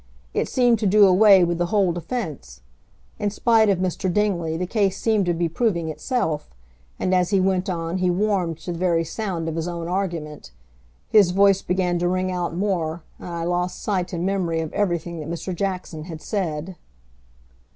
It seemed to do away with the whole defense. In spite of Mr. Dingley the case seemed to be proving itself, and as he went on he warmed to the very sound of his own argument; his voice began to ring out more and I lost sight and memory of everything that Mr. Jackson had said.